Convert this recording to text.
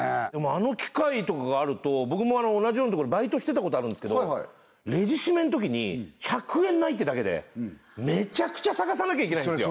あの機械とかがあると僕も同じようなところでバイトしてたことあるんすけどはいはいレジ締めんときに１００円ないってだけでめちゃくちゃ探さなきゃいけないんですよ